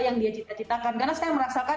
yang dia cita citakan karena saya merasakan